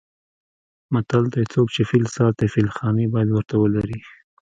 متل دی: څوک چې فیل ساتي فیل خانې باید ورته ولري.